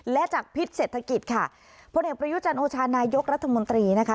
และจากพิษเศรษฐกิจค่ะพลเอกประยุจันโอชานายกรัฐมนตรีนะคะ